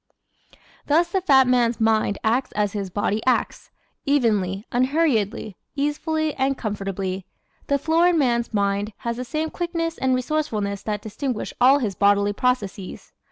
[Illustration 9: Cerebral the "thinker"] Thus the fat man's mind acts as his body acts evenly, unhurriedly, easefully and comfortably. The florid man's mind has the same quickness and resourcefulness that distinguish all his bodily processes.